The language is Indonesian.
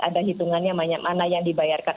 ada hitungannya mana yang dibayarkan